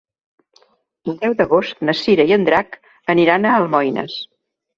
El deu d'agost na Cira i en Drac aniran a Almoines.